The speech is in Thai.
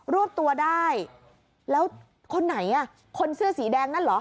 รวบตัวได้แล้วคนไหนอ่ะคนเสื้อสีแดงนั่นเหรอ